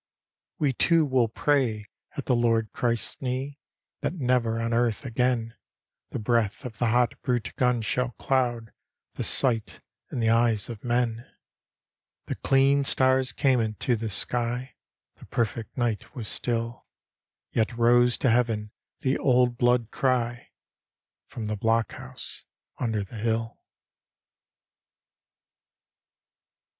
" We two will pray at the Lord Christ's knee That never on earth again The breath of the hot brute guns shall cloud The sight in the eyes of men !" The clean stars came into the sky. The perfect night was still; Yet rose to heaven die old blood cry From the blockhouse under the hill.